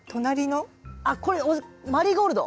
これマリーゴールド？